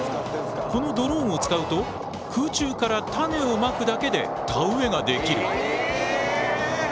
このドローンを使うと空中から種をまくだけで田植えができる。